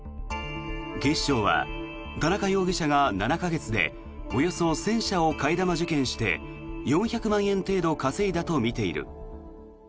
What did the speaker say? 警視庁は田中容疑者が７か月でおよそ１０００社を替え玉受検して４００万円程度稼いだとみている。